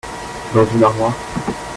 Dans une armoire.